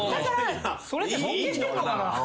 それって尊敬してんのかな？